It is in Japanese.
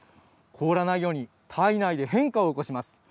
凍らないように、体内で変化を起こします。